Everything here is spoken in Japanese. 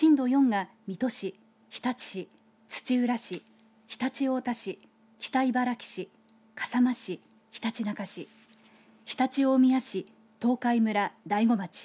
４が水戸市日立市、土浦市常陸太田市北茨城市笠間市、ひたちなか市常陸大宮市東海村、大子町